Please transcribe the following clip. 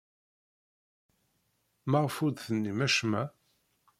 Maɣef ur d-tennim acemma?